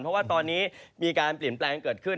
เพราะว่าตอนนี้มีการเปลี่ยนแปลงเกิดขึ้น